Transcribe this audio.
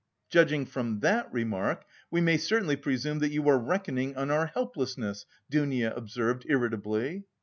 "Judging from that remark, we may certainly presume that you were reckoning on our helplessness," Dounia observed irritably.